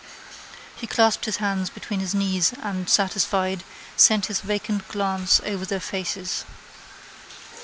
He clasped his hands between his knees and, satisfied, sent his vacant glance over their faces.